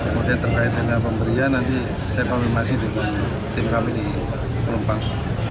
kemudian terkait dengan pemberian nanti saya konfirmasi dengan tim kami di pelumpang